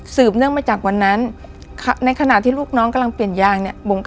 เนื่องมาจากวันนั้นในขณะที่ลูกน้องกำลังเปลี่ยนยางเนี่ย